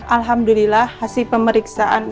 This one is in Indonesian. alhamdulillah hasil pemeriksaan